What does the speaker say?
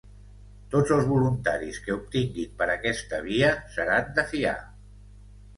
Tots els voluntaris que obtinguin per aquesta via seran de fiar.